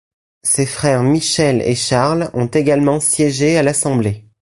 Ses frères Michel et Charles ont également siégé à l'Assemblée.